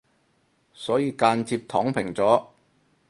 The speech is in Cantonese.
所以間接躺平咗